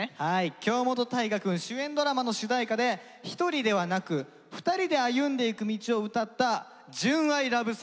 京本大我くん主演ドラマの主題歌で１人ではなく２人で歩んでいく道を歌った純愛ラブソング。